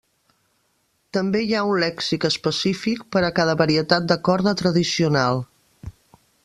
També hi ha un lèxic específic per a cada varietat de corda tradicional.